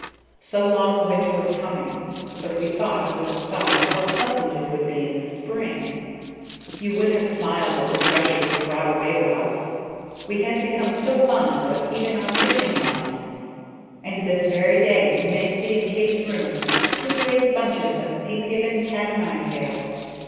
So long a winter was coming, but we thought with a sigh how pleasant it would be in the spring. You would have smiled at the treasures we brought away with us. We had become so fond of even our fishing lines; and this very day you may see in Kate's room two great bunches of Deephaven cat o' nine tails.